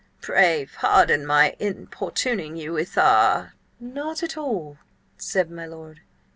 "Pray pardon my importuning you with our—" "Not at all," said my lord.